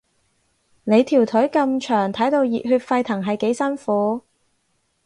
你條腿咁長，睇到熱血沸騰係幾辛苦